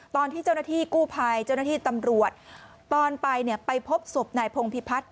ตอนที่เจ้าหน้าที่กู้ภัยเจ้าหน้าที่ตำรวจตอนไปเนี่ยไปพบศพนายพงพิพัฒน์